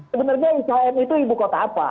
sebenarnya ikm itu ibu kota apa